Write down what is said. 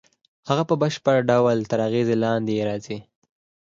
هغه په بشپړ ډول تر اغېز لاندې یې راځي